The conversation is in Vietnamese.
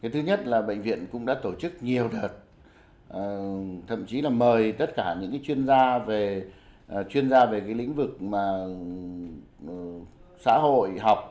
thứ nhất là bệnh viện cũng đã tổ chức nhiều đợt thậm chí là mời tất cả những chuyên gia về lĩnh vực xã hội học